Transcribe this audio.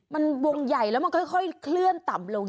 มันวงใหญ่แล้วมันค่อยเคลื่อนต่ำลง